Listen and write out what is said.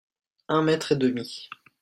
Un mètre et demi.